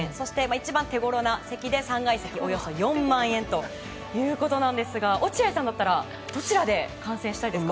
一番手ごろな席の３階席でおよそ４万円ということですが落合さんだったらどちらで観戦したいですか？